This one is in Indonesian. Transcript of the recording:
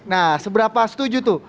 nah seberapa setuju tuh